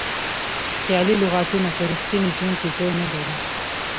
خیالي لغتونه په ریښتیني ژوند کې ځای نه لري.